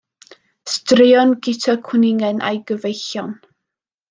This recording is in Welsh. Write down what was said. Straeon Guto Gwningen a'i Gyfeillion.